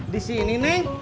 di sini neng